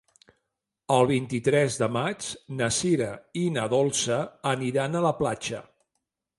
El vint-i-tres de maig na Sira i na Dolça aniran a la platja.